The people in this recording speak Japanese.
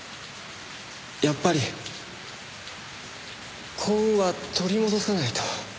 やっぱり幸運は取り戻さないと。